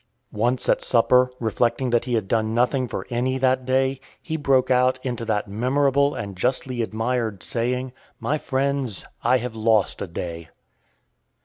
Once at supper, reflecting that he had done nothing for any that day, he broke out into that memorable and justly admired saying, "My friends, I have lost a day."